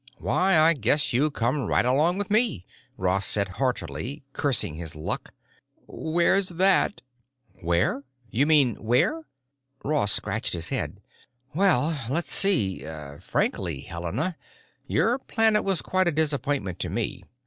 "Why, I guess you come right along with me," Ross said heartily, cursing his luck. "Where's that?" "Where? You mean, where?" Ross scratched his head. "Well, let's see. Frankly, Helena, your planet was quite a disappointment to me.